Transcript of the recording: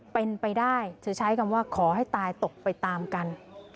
เป็นไปได้เธอใช้คำว่าขอให้ตายตกไปตามกัน